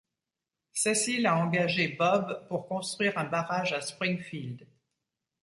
Cecil a engagé Bob pour construire un barrage à Springfield.